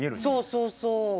そうそうそう。